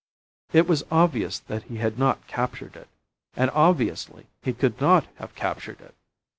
It was obvious that he had not captured it. And, obviously, he could not have captured it!